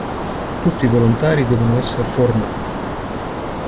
Tutti i volontari devono esser formati.